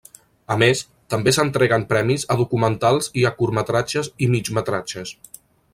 A més, també s'entreguen premis a documentals i a curtmetratges i migmetratges.